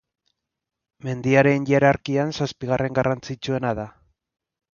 Mendiaren hierarkian zazpigarren garrantzitsuena da.